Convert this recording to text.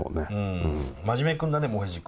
真面目君だねもへじ君はね。